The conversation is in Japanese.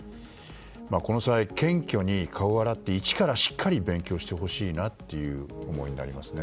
この際、謙虚に顔を洗って一から勉強してほしいという思いになりますね。